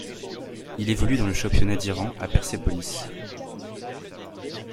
Il évolue dans le championnat d'Iran, à Persépolis.